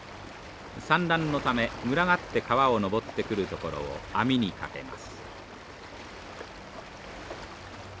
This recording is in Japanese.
産卵のため群がって川を上ってくるところを網にかけます。